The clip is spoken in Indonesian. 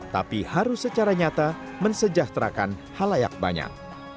tapi harus secara nyata mensejahterakan halayak banyak